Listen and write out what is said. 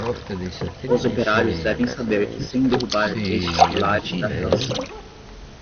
Os operários devem saber que sem derrubar estes pilares da reação